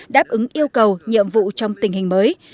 đáp ứng yêu cầu nhiệm vụ trong tình hình mới